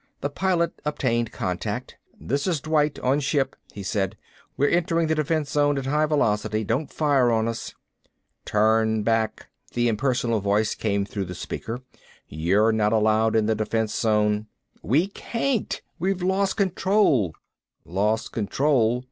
The Pilot obtained contact. "This is Dwight, on ship," he said. "We're entering the defense zone at high velocity. Don't fire on us." "Turn back," the impersonal voice came through the speaker. "You're not allowed in the defense zone." "We can't. We've lost control." "Lost control?"